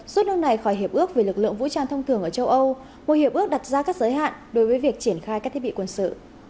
rút nước này khỏi hiệp ước về lực lượng vũ trang thông thường ở châu âu một hiệp ước đặt ra các giới hạn đối với việc triển khai các thiết bị quân sự